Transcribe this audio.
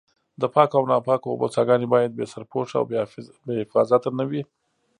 د پاکو او ناپاکو اوبو څاګانې باید بې سرپوښه او بې حفاظته نه وي.